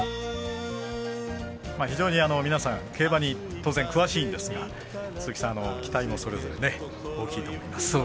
非常に皆さん、競馬に当然、詳しいんですが期待もそれぞれ大きいという。